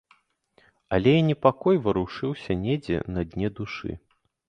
Але і непакой варушыўся недзе на дне душы.